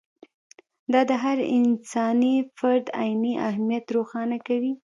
دا د هر انساني فرد عیني اهمیت روښانه کوي.